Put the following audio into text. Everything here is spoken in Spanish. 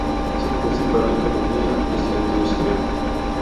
Su principal economía es la industria.